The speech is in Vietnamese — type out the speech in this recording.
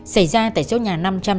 xảy ra tại số nhà năm trăm linh chín